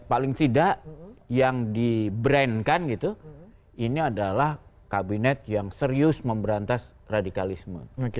paling tidak yang di brand kan gitu ini adalah kabinet yang serius memberantas radikalisme